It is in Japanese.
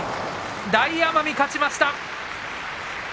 大奄美、勝ちました。